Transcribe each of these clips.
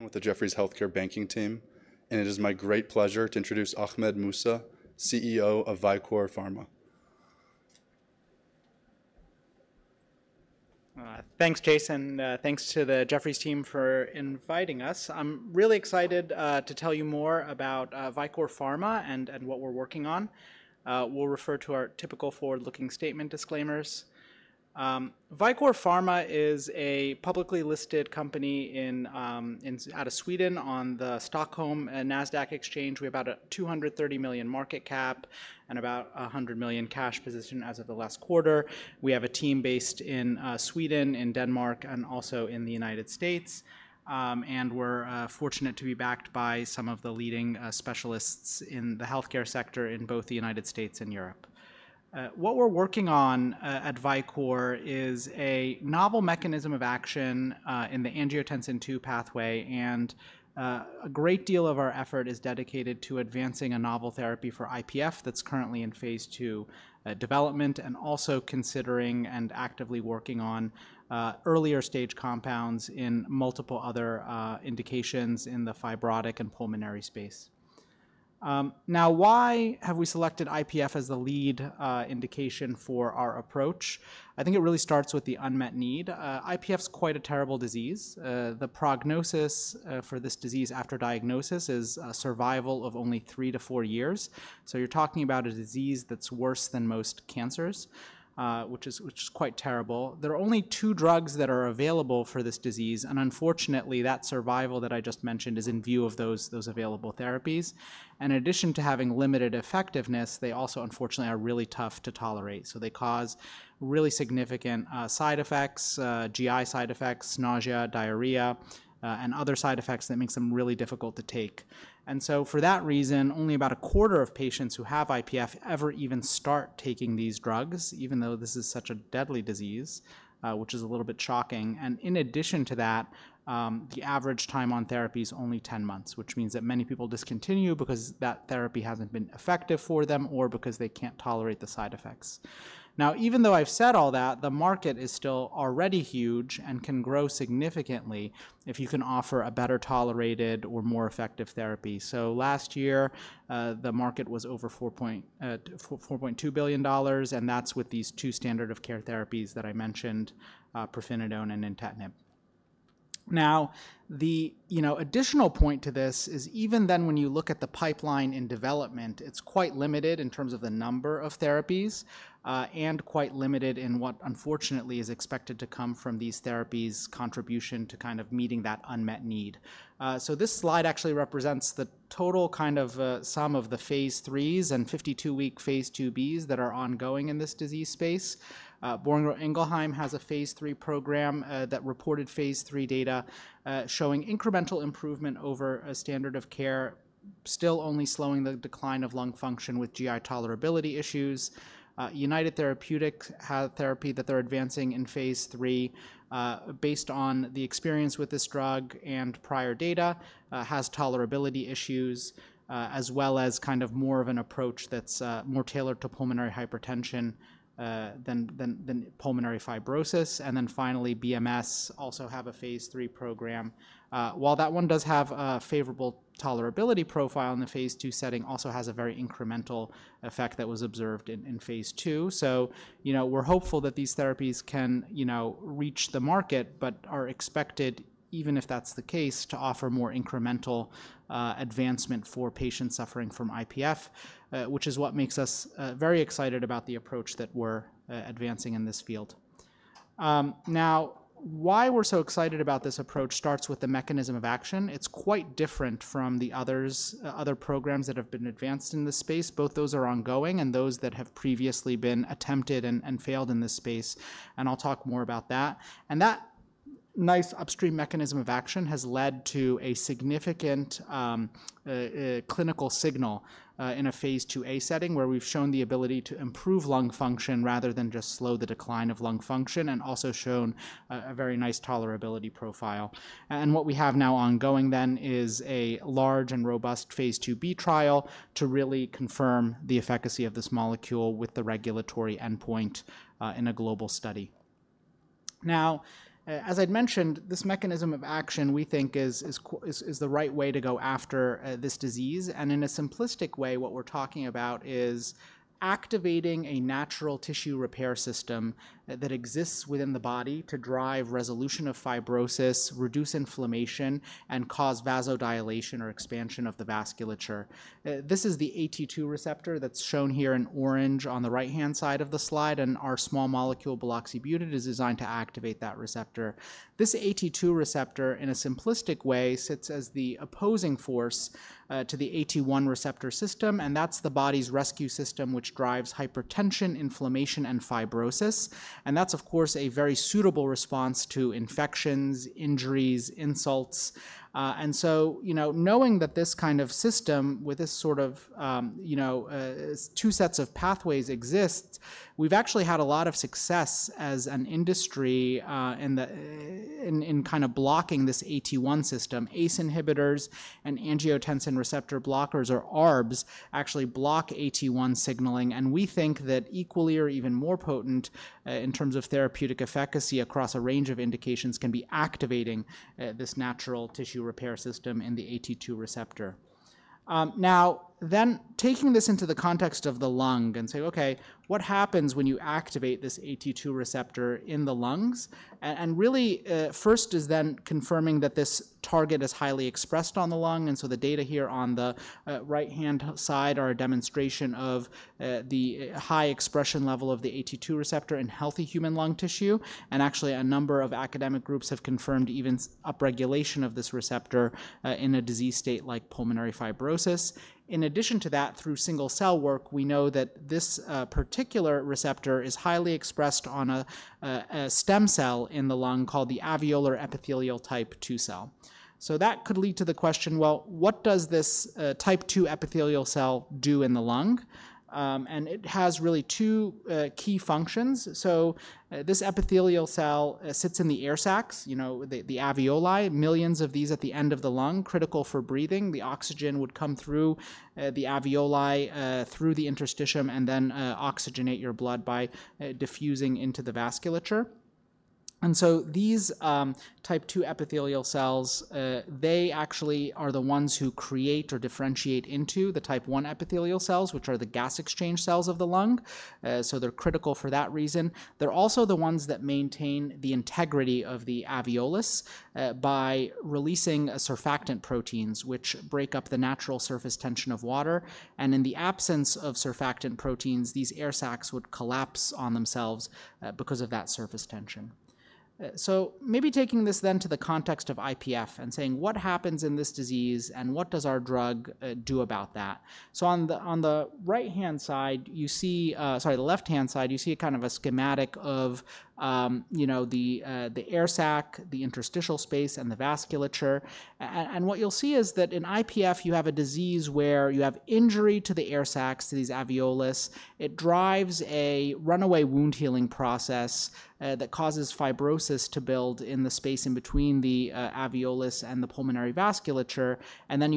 With the Jefferies Healthcare Banking Team, and it is my great pleasure to introduce Ahmed Mousa, CEO of Vicore Pharma. Thanks, Jason. Thanks to the Jefferies team for inviting us. I'm really excited to tell you more about Vicore Pharma and what we're working on. We'll refer to our typical forward-looking statement disclaimers. Vicore Pharma is a publicly listed company out of Sweden on the Stockholm and Nasdaq exchange. We have about a $230 million market cap and about a $100 million cash position as of the last quarter. We have a team based in Sweden, in Denmark, and also in the United States. We're fortunate to be backed by some of the leading specialists in the healthcare sector in both the United States and Europe. What we're working on at Vicore is a novel mechanism of action in the angiotensin II pathway, and a great deal of our effort is dedicated to advancing a novel therapy for IPF that's currently in phase two development, and also considering and actively working on earlier stage compounds in multiple other indications in the fibrotic and pulmonary space. Now, why have we selected IPF as the lead indication for our approach? I think it really starts with the unmet need. IPF is quite a terrible disease. The prognosis for this disease after diagnosis is survival of only three to four years. You're talking about a disease that's worse than most cancers, which is quite terrible. There are only two drugs that are available for this disease, and unfortunately, that survival that I just mentioned is in view of those available therapies. In addition to having limited effectiveness, they also, unfortunately, are really tough to tolerate. They cause really significant side effects, GI side effects, nausea, diarrhea, and other side effects that make them really difficult to take. For that reason, only about a quarter of patients who have IPF ever even start taking these drugs, even though this is such a deadly disease, which is a little bit shocking. In addition to that, the average time on therapy is only 10 months, which means that many people discontinue because that therapy has not been effective for them or because they cannot tolerate the side effects. Now, even though I have said all that, the market is still already huge and can grow significantly if you can offer a better tolerated or more effective therapy. Last year, the market was over $4.2 billion, and that's with these two standard of care therapies that I mentioned, pirfenidone and nintedanib. Now, the additional point to this is even then when you look at the pipeline in development, it's quite limited in terms of the number of therapies and quite limited in what, unfortunately, is expected to come from these therapies' contribution to kind of meeting that unmet need. This slide actually represents the total kind of sum of the phase threes and 52-week phase two Bs that are ongoing in this disease space. Boehringer Ingelheim has a phase three program that reported phase three data showing incremental improvement over a standard of care, still only slowing the decline of lung function with GI tolerability issues. United Therapeutics has therapy that they're advancing in phase three. Based on the experience with this drug and prior data, it has tolerability issues as well as kind of more of an approach that's more tailored to pulmonary hypertension than pulmonary fibrosis. Finally, BMS also has a phase three program. While that one does have a favorable tolerability profile in the phase two setting, it also has a very incremental effect that was observed in phase two. We are hopeful that these therapies can reach the market, but are expected, even if that's the case, to offer more incremental advancement for patients suffering from IPF, which is what makes us very excited about the approach that we're advancing in this field. Now, why we're so excited about this approach starts with the mechanism of action. It's quite different from the other programs that have been advanced in this space. Both those are ongoing and those that have previously been attempted and failed in this space. I'll talk more about that. That nice upstream mechanism of action has led to a significant clinical signal in a phase 2a setting where we've shown the ability to improve lung function rather than just slow the decline of lung function and also shown a very nice tolerability profile. What we have now ongoing is a large and robust phase 2b trial to really confirm the efficacy of this molecule with the regulatory endpoint in a global study. Now, as I'd mentioned, this mechanism of action we think is the right way to go after this disease. In a simplistic way, what we're talking about is activating a natural tissue repair system that exists within the body to drive resolution of fibrosis, reduce inflammation, and cause vasodilation or expansion of the vasculature. This is the AT2 receptor that's shown here in orange on the right-hand side of the slide, and our small molecule buloxibutid is designed to activate that receptor. This AT2 receptor, in a simplistic way, sits as the opposing force to the AT1 receptor system, and that's the body's rescue system which drives hypertension, inflammation, and fibrosis. That's, of course, a very suitable response to infections, injuries, insults. Knowing that this kind of system with this sort of two sets of pathways exists, we've actually had a lot of success as an industry in kind of blocking this AT1 system. ACE inhibitors and angiotensin receptor blockers, or ARBs, actually block AT1 signaling, and we think that equally or even more potent in terms of therapeutic efficacy across a range of indications can be activating this natural tissue repair system in the AT2 receptor. Now, then taking this into the context of the lung and say, okay, what happens when you activate this AT2 receptor in the lungs? Really, first is then confirming that this target is highly expressed on the lung. The data here on the right-hand side are a demonstration of the high expression level of the AT2 receptor in healthy human lung tissue. Actually, a number of academic groups have confirmed even upregulation of this receptor in a disease state like pulmonary fibrosis. In addition to that, through single-cell work, we know that this particular receptor is highly expressed on a stem cell in the lung called the alveolar epithelial type II cell. That could lead to the question, what does this type II epithelial cell do in the lung? It has really two key functions. This epithelial cell sits in the air sacs, the alveoli, millions of these at the end of the lung, critical for breathing. The oxygen would come through the alveoli, through the interstitium, and then oxygenate your blood by diffusing into the vasculature. These type II epithelial cells, they actually are the ones who create or differentiate into the type I epithelial cells, which are the gas exchange cells of the lung. They are critical for that reason. They're also the ones that maintain the integrity of the alveolus by releasing surfactant proteins, which break up the natural surface tension of water. In the absence of surfactant proteins, these air sacs would collapse on themselves because of that surface tension. Maybe taking this then to the context of IPF and saying, what happens in this disease and what does our drug do about that? On the right-hand side, you see, sorry, the left-hand side, you see kind of a schematic of the air sac, the interstitial space, and the vasculature. What you'll see is that in IPF, you have a disease where you have injury to the air sacs, to these alveolus. It drives a runaway wound healing process that causes fibrosis to build in the space in between the alveolus and the pulmonary vasculature.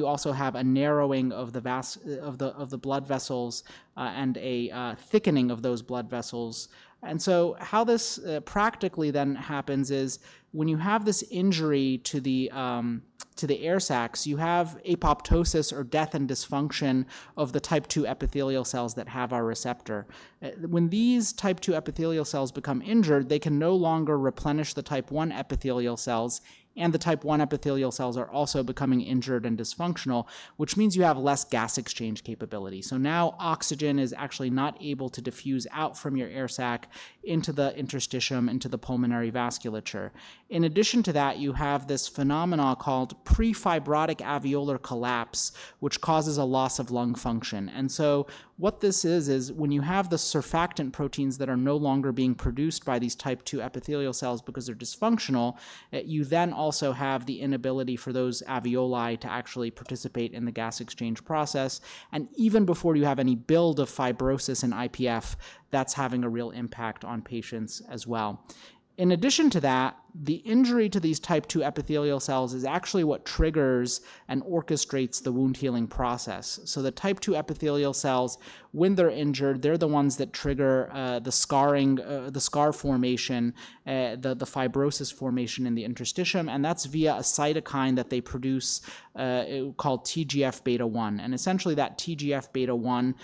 You also have a narrowing of the blood vessels and a thickening of those blood vessels. How this practically then happens is when you have this injury to the air sacs, you have apoptosis or death and dysfunction of the type II epithelial cells that have our receptor. When these type II epithelial cells become injured, they can no longer replenish the type I epithelial cells, and the type I epithelial cells are also becoming injured and dysfunctional, which means you have less gas exchange capability. Now oxygen is actually not able to diffuse out from your air sac into the interstitium, into the pulmonary vasculature. In addition to that, you have this phenomenon called prefibrotic alveolar collapse, which causes a loss of lung function. What this is, is when you have the surfactant proteins that are no longer being produced by these type II epithelial cells because they're dysfunctional, you then also have the inability for those alveoli to actually participate in the gas exchange process. Even before you have any build of fibrosis in IPF, that's having a real impact on patients as well. In addition to that, the injury to these type II epithelial cells is actually what triggers and orchestrates the wound healing process. The type II epithelial cells, when they're injured, they're the ones that trigger the scar formation, the fibrosis formation in the interstitium, and that's via a cytokine that they produce called TGF beta-1. Essentially, that TGF beta-1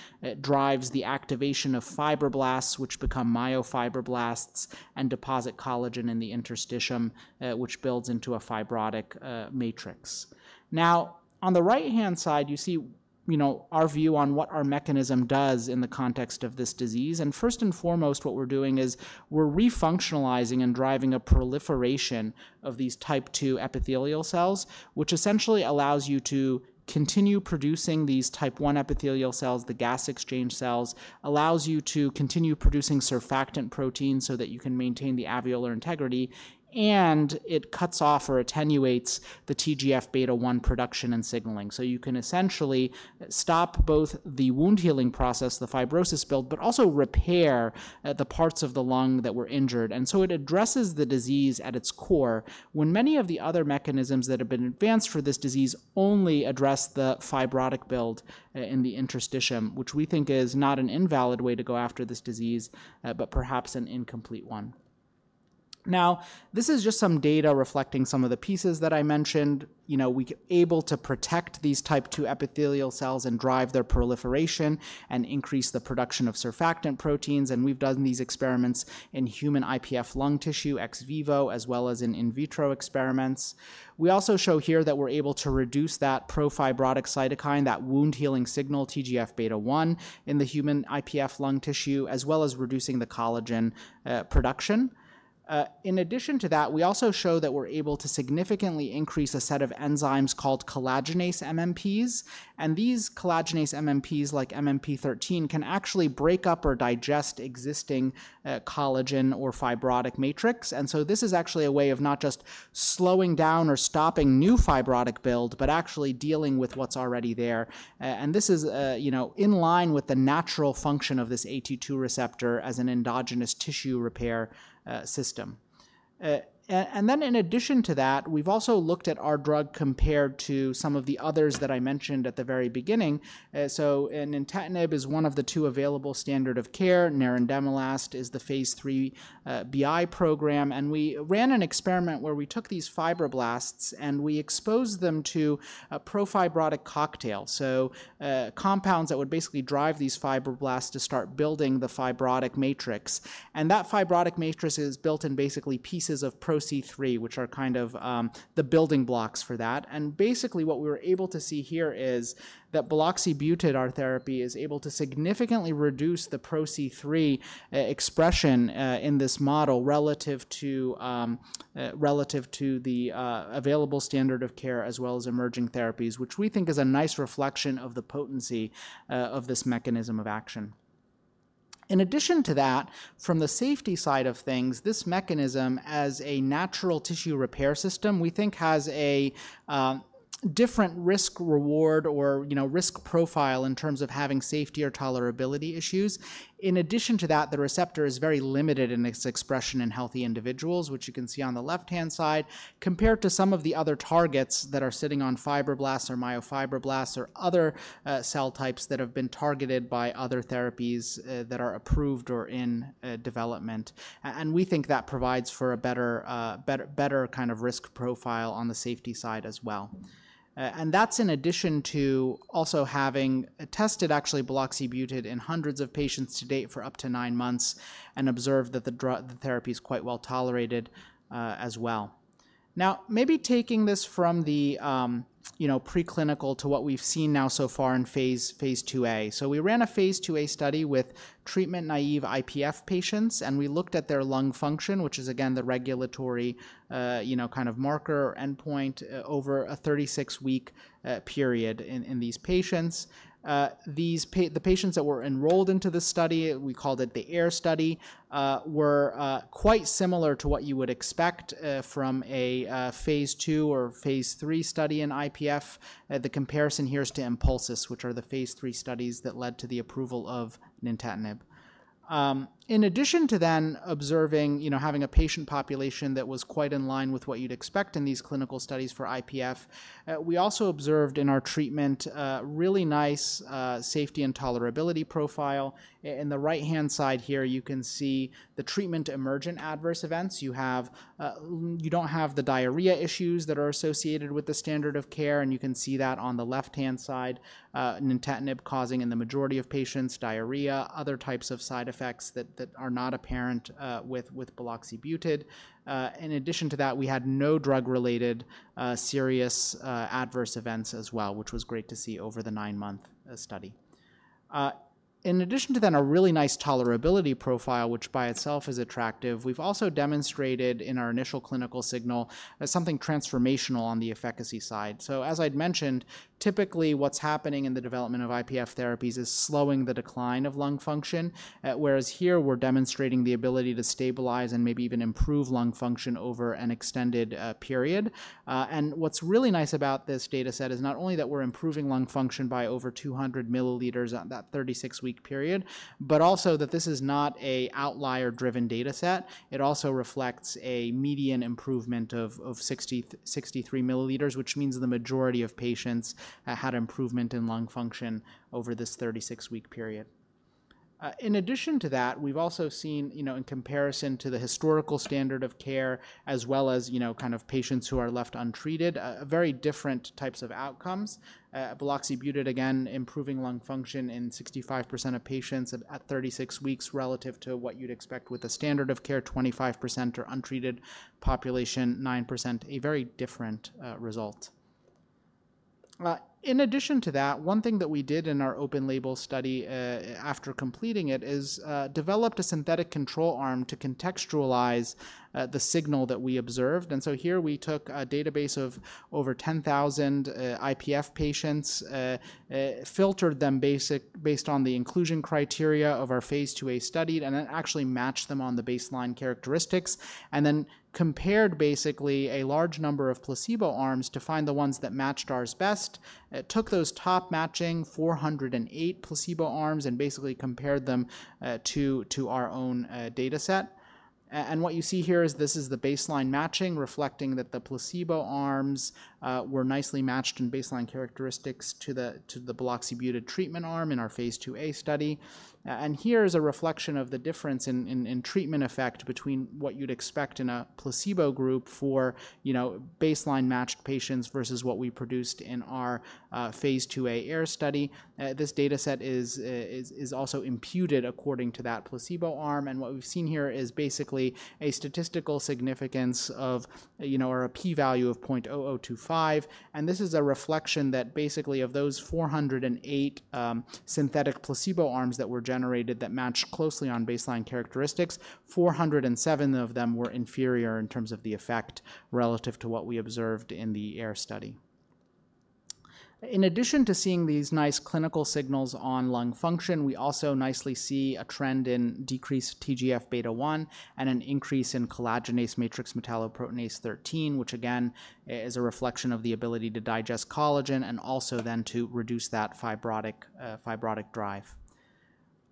drives the activation of fibroblasts, which become myofibroblasts and deposit collagen in the interstitium, which builds into a fibrotic matrix. Now, on the right-hand side, you see our view on what our mechanism does in the context of this disease. First and foremost, what we're doing is we're refunctionalizing and driving a proliferation of these type II epithelial cells, which essentially allows you to continue producing these type I epithelial cells, the gas exchange cells, allows you to continue producing surfactant proteins so that you can maintain the alveolar integrity, and it cuts off or attenuates the TGF beta-1 production and signaling. You can essentially stop both the wound healing process, the fibrosis build, but also repair the parts of the lung that were injured. It addresses the disease at its core when many of the other mechanisms that have been advanced for this disease only address the fibrotic build in the interstitium, which we think is not an invalid way to go after this disease, but perhaps an incomplete one. This is just some data reflecting some of the pieces that I mentioned. We're able to protect these type II epithelial cells and drive their proliferation and increase the production of surfactant proteins. We've done these experiments in human IPF lung tissue, ex vivo, as well as in in vitro experiments. We also show here that we're able to reduce that profibrotic cytokine, that wound healing signal, TGF beta-1 in the human IPF lung tissue, as well as reducing the collagen production. In addition to that, we also show that we're able to significantly increase a set of enzymes called collagenase MMPs. And these collagenase MMPs, like MMP-13, can actually break up or digest existing collagen or fibrotic matrix. And so this is actually a way of not just slowing down or stopping new fibrotic build, but actually dealing with what's already there. This is in line with the natural function of this AT2 receptor as an endogenous tissue repair system. In addition to that, we've also looked at our drug compared to some of the others that I mentioned at the very beginning. Nintedanib is one of the two available standard of care. Nintedanib is the phase three BI program. We ran an experiment where we took these fibroblasts and we exposed them to a profibrotic cocktail, so compounds that would basically drive these fibroblasts to start building the fibrotic matrix. That fibrotic matrix is built in basically pieces of ProC3, which are kind of the building blocks for that. Basically, what we were able to see here is that buloxibutid, our therapy, is able to significantly reduce the ProC3 expression in this model relative to the available standard of care as well as emerging therapies, which we think is a nice reflection of the potency of this mechanism of action. In addition to that, from the safety side of things, this mechanism as a natural tissue repair system, we think has a different risk-reward or risk profile in terms of having safety or tolerability issues. In addition to that, the receptor is very limited in its expression in healthy individuals, which you can see on the left-hand side compared to some of the other targets that are sitting on fibroblasts or myofibroblasts or other cell types that have been targeted by other therapies that are approved or in development. We think that provides for a better kind of risk profile on the safety side as well. That is in addition to also having tested actually buloxibutid in hundreds of patients to date for up to nine months and observed that the therapy is quite well tolerated as well. Now, maybe taking this from the preclinical to what we've seen now so far in phase two A. We ran a phase two A study with treatment naive IPF patients, and we looked at their lung function, which is again the regulatory kind of marker endpoint over a 36-week period in these patients. The patients that were enrolled into the study, we called it the AIR trial, were quite similar to what you would expect from a phase two or phase three study in IPF. The comparison here is to INPULSIS, which are the phase three studies that led to the approval of nintedanib. In addition to then observing having a patient population that was quite in line with what you'd expect in these clinical studies for IPF, we also observed in our treatment really nice safety and tolerability profile. In the right-hand side here, you can see the treatment emergent adverse events. You don't have the diarrhea issues that are associated with the standard of care, and you can see that on the left-hand side, nintedanib causing in the majority of patients diarrhea, other types of side effects that are not apparent with buloxibutid. In addition to that, we had no drug-related serious adverse events as well, which was great to see over the nine-month study. In addition to then a really nice tolerability profile, which by itself is attractive, we've also demonstrated in our initial clinical signal something transformational on the efficacy side. As I'd mentioned, typically what's happening in the development of IPF therapies is slowing the decline of lung function, whereas here we're demonstrating the ability to stabilize and maybe even improve lung function over an extended period. What's really nice about this data set is not only that we're improving lung function by over 200 milliliters on that 36-week period, but also that this is not an outlier-driven data set. It also reflects a median improvement of 63 milliliters, which means the majority of patients had improvement in lung function over this 36-week period. In addition to that, we've also seen in comparison to the historical standard of care as well as kind of patients who are left untreated, very different types of outcomes. Buloxibutid, again, improving lung function in 65% of patients at 36 weeks relative to what you'd expect with the standard of care, 25%, or untreated population, 9%, a very different result. In addition to that, one thing that we did in our open-label study after completing it is developed a synthetic control arm to contextualize the signal that we observed. Here we took a database of over 10,000 IPF patients, filtered them based on the inclusion criteria of our phase 2a study, and then actually matched them on the baseline characteristics, and then compared basically a large number of placebo arms to find the ones that matched ours best. It took those top matching 408 placebo arms and basically compared them to our own data set. What you see here is this is the baseline matching reflecting that the placebo arms were nicely matched in baseline characteristics to the buloxibutid treatment arm in our phase 2a study. Here is a reflection of the difference in treatment effect between what you'd expect in a placebo group for baseline matched patients versus what we produced in our phase 2a AIR trial. This data set is also imputed according to that placebo arm. What we have seen here is basically a statistical significance of or a p-value of 0.0025. This is a reflection that basically of those 408 synthetic placebo arms that were generated that matched closely on baseline characteristics, 407 of them were inferior in terms of the effect relative to what we observed in the AIR study. In addition to seeing these nice clinical signals on lung function, we also nicely see a trend in decreased TGF beta-1 and an increase in collagenase matrix metalloproteinase 13, which again is a reflection of the ability to digest collagen and also then to reduce that fibrotic drive.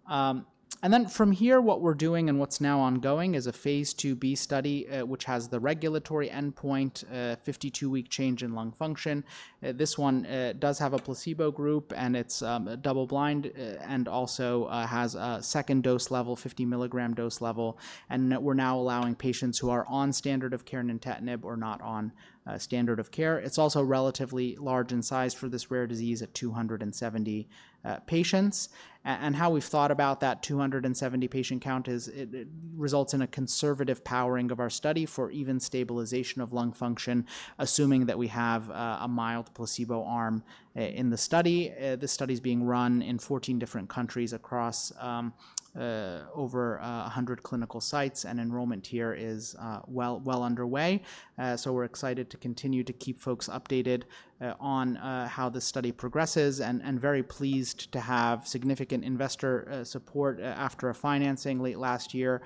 From here, what we are doing and what is now ongoing is a phase two B study, which has the regulatory endpoint, 52-week change in lung function. This one does have a placebo group, and it's double-blind and also has a second dose level, 50 mg dose level. We're now allowing patients who are on standard of care and nintedanib or not on standard of care. It's also relatively large in size for this rare disease at 270 patients. How we've thought about that 270 patient count results in a conservative powering of our study for even stabilization of lung function, assuming that we have a mild placebo arm in the study. This study is being run in 14 different countries across over 100 clinical sites, and enrollment here is well underway. We're excited to continue to keep folks updated on how the study progresses and very pleased to have significant investor support after financing late last year,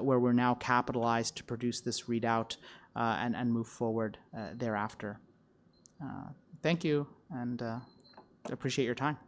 where we're now capitalized to produce this readout and move forward thereafter. Thank you, and appreciate your time.